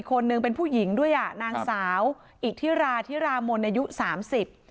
คนหนึ่งเป็นผู้หญิงด้วยอ่ะนางสาวอิทธิราธิรามนอายุสามสิบ